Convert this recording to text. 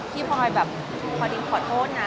พลอยแบบพอดีขอโทษนะ